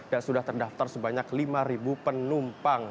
dan sudah terdaftar sebanyak lima penumpang